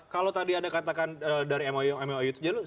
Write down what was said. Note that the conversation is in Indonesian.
kalau tadi ada katakan dari mou mou itu